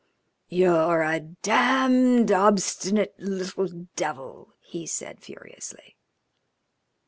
"You're a damned obstinate little devil!" he said furiously.